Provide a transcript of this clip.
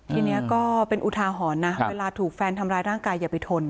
ทีนี้ก็เป็นอุทาหรณ์นะเวลาถูกแฟนทำร้ายร่างกายอย่าไปทน